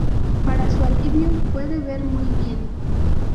Para su alivio, puede ver muy bien.